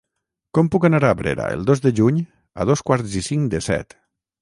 Com puc anar a Abrera el dos de juny a dos quarts i cinc de set?